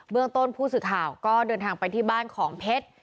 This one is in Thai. ต้นผู้สื่อข่าวก็เดินทางไปที่บ้านของเพชร